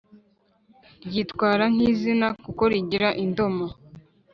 Ryitwara nk izina kuko rigira indomo